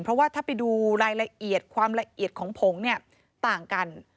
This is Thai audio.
เพราะว่าถ้าไปดูรายละเอียดความละเอียดของผงเนี่ยต่างกัน